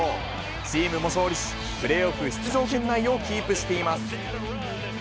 チームも勝利し、プレーオフ出場圏内をキープしています。